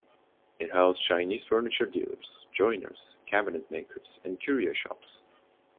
It housed Chinese furniture dealers, joiners, cabinet makers and curio shops.